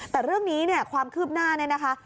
แต่เรื่องนี้ความคืบหน้าไงนะคะ